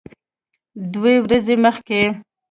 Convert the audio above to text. دوه ورځې مخکې